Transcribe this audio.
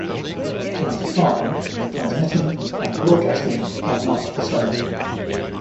As defined, "transmitting" and "broadcasting" are not the same.